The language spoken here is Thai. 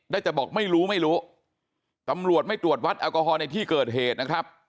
ได้แต่บอกไม่รู้ไม่รู้ตำรวจไม่ตรวจวัดแอลกอฮอลในที่เกิดเหตุนะครับ